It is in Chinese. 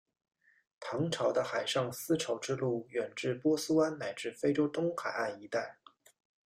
唐朝的海上丝绸之路远至波斯湾乃至非洲东海岸一带。